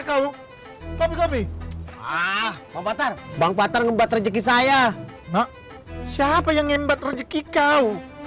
kata kau tapi ah pak patar bang patar membuat rezeki saya nak siapa yang ngembat rezeki kau